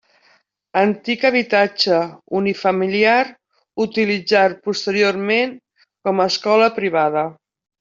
Antic habitatge unifamiliar utilitzat posteriorment com escola privada.